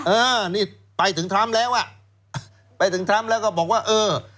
เออนี่ไปถึงท้ำแล้วไปถึงท้ำแล้วก็บอกว่าเออ